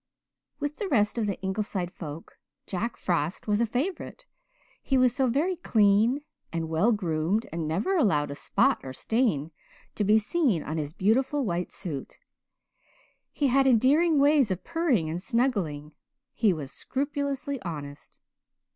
With the rest of the Ingleside folk Jack Frost was a favourite; he was so very clean and well groomed, and never allowed a spot or stain to be seen on his beautiful white suit; he had endearing ways of purring and snuggling; he was scrupulously honest.